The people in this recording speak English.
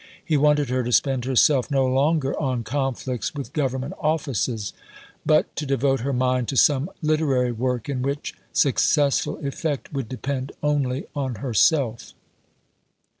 He wanted her to spend herself no longer "on conflicts with Government offices," but to devote her mind to some literary work in which successful effect would depend only on herself.